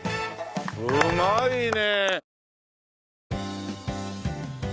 うまいね！